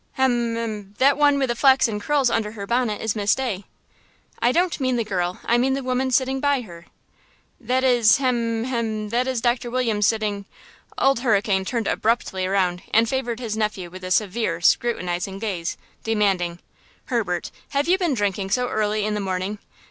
"Hem–m–that one with the flaxen curls under her bonnet is Miss Day." "I don't mean the girl, I mean the woman sitting by her?" "That is–hem–hem–that is Doctor Williams sitting– Old Hurricane turned abruptly around and favored his nephew with a severe, scrutinizing gaze, demanding: "Herbert, have you been drinking so early in the morning?